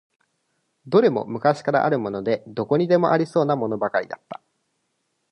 どれも昔からあるもので、どこにでもありそうなものばかりだった。